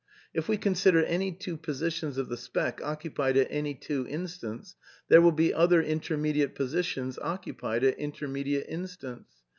... If we consider any two positions of the speck occupied at any two instants, there will be other intermediate positions occupied at intermediate instants.